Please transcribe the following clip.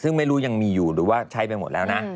ซึ่งไม่รู้ยังมีอยู่หรือว่าใช้ไปหมดแล้วนะ